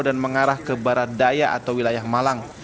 dan mengarah ke barat daya atau wilayah malang